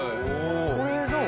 これどう？